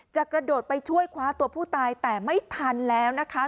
กระโดดไปช่วยคว้าตัวผู้ตายแต่ไม่ทันแล้วนะคะ